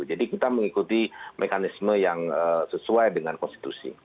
jadi kita mengikuti mekanisme yang sesuai dengan konstitusi